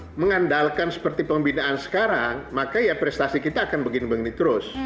oh iya kalau mengandalkan seperti pembinaan sekarang maka prestasi kita akan begini begini terus